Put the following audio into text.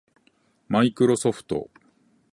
マイクロソフト